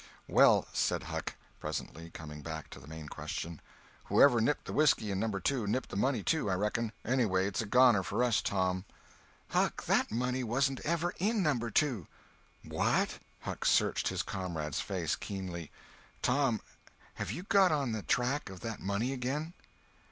"Well," said Huck, presently, coming back to the main question, "whoever nipped the whiskey in No. 2, nipped the money, too, I reckon—anyways it's a goner for us, Tom." "Huck, that money wasn't ever in No. 2!" "What!" Huck searched his comrade's face keenly. "Tom, have you got on the track of that money again?"